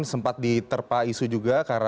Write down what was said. sempat diterpa isu juga